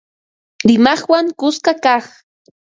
Rimaqwan kuska kaq